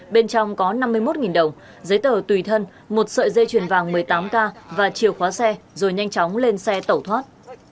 bên trong có năm mươi một đồng giấy tờ tùy thân một sợi dây chuyền vàng một mươi tám k và chiều khóa xe rồi nhanh chóng lên xe tẩu thoát